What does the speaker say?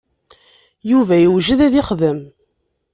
Yuba iwjed ad ixdem.